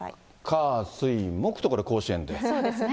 火、水、そうですね。